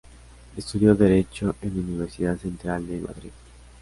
Estudió derecho en Universidad Central de Madrid.